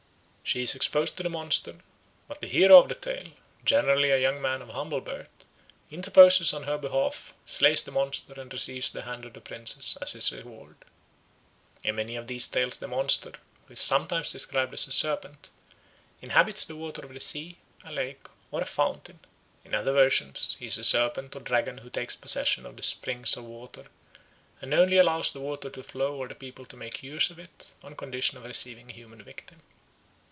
She is exposed to the monster, but the hero of the tale, generally a young man of humble birth, interposes in her behalf, slays the monster, and receives the hand of the princess as his reward. In many of the tales the monster, who is sometimes described as a serpent, inhabits the water of a sea, a lake, or a fountain. In other versions he is a serpent or dragon who takes possession of the springs of water, and only allows the water to flow or the people to make use of it on condition of receiving a human victim.